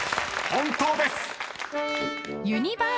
本当です］